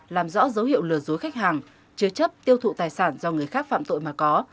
làm rõ dấu hiệu lừa dối khách hàng chứa chấp tiêu thụ tài sản do người khác phạm tội mà có